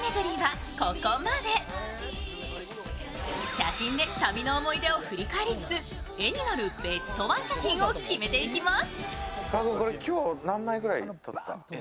写真で旅の思い出を振り返りつつ絵になるベストワン写真を決めていきます。